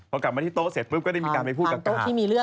พอกลับมาที่โต๊ะเสร็จปุ๊บก็ได้มีการไปพูดกับกาด